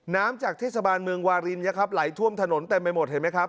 น้ำจากเทศบาลเมืองวารินนะครับไหลท่วมถนนเต็มไปหมดเห็นไหมครับ